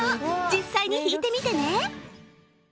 実際に弾いてみてね